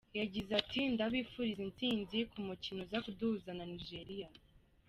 Yagize ati : "Ndabifuriza intsinzi ku mukino uza kuduhuza na Nigeria.